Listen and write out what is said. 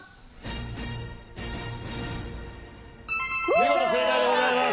見事正解でございます。